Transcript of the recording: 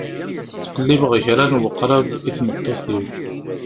Ttqellibeɣ kra n weqrab i tmeṭṭut-iw.